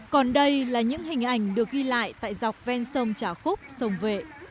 còn đây là những hình ảnh được ghi lại tại dọc ven sông trà khúc sông vệ